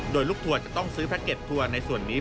โดยลูกทัวร์จะต้องซื้อแพ็กเก็ตทัวร์ในส่วนนี้